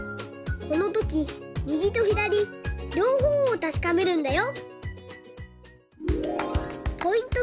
このときみぎとひだりりょうほうをたしかめるんだよ！